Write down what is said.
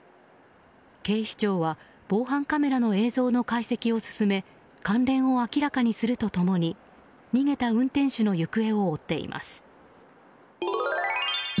警視庁は防犯カメラの映像の解析を進め関連を明らかにすると共に逃げた運転手の行方を追っています。